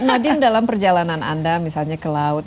nadiem dalam perjalanan anda misalnya ke laut